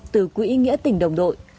từ quỹ nghĩa tỉnh đồng đội